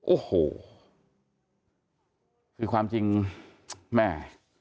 โอ้โหคือความจริงแม่